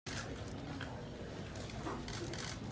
หรืออยู่จากเกาะแผด